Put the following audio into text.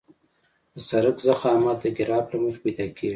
د سرک ضخامت د ګراف له مخې پیدا کیږي